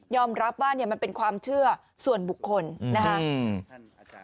ยอมรับว่ามันเป็นความเชื่อส่วนบุคคลนะฮะ